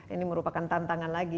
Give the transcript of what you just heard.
ini merupakan tantangan lagi